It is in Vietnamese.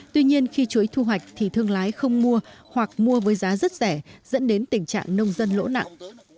tuy nhiên khi chuối thu hoạch thì thương lái không mua hoặc mua với giá rất rẻ dẫn đến tình trạng nông dân lỗ nặng